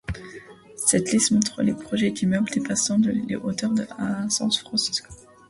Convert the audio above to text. Cette liste montre les projets d’immeubles dépassant les de hauteur à San Francisco.